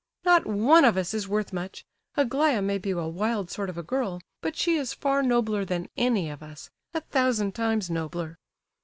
"Not one of us is worth much. Aglaya may be a wild sort of a girl, but she is far nobler than any of us, a thousand times nobler!"